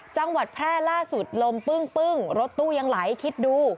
จังหวัดแพร่ล่าสุดลมปึ้งรถตู้ยังไหลคิดดู